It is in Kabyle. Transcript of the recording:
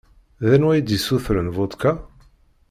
D anwa i d-isutren vodka?